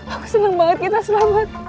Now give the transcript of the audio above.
aku senang banget kita selamat